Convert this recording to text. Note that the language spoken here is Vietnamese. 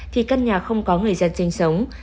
thì các nhà không có người dân sinh sống